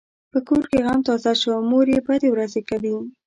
په کور کې غم تازه شو؛ مور یې بدې ورځې کوي.